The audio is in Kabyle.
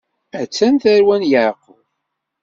A-tt-an tarwa n Yeɛqub.